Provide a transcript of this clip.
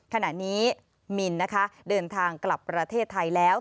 ขณะนี้มินนะคะเดินทางกลับประเทศไทยแล้ว